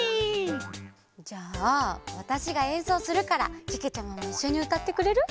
じゃあわたしがえんそうするからけけちゃまもいっしょにうたってくれる？